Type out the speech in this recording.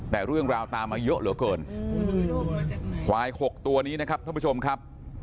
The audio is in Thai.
แต่เรื่องราวตามมาเยอะเหลือเกินควายหกตัวนี้นะครับท่านผู้ชมครับ